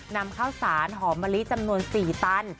นำข้าวสารหอมมะลิจำนวน๔ตัน